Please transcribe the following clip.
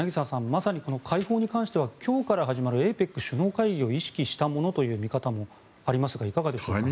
まさに解放に関しては今日から始まるＡＰＥＣ首脳会議を意識したものという見方もありますがいかがでしょうか。